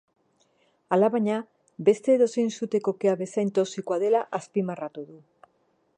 Alabaina, beste edozein suteko kea bezain toxikoa dela azpimarratu du.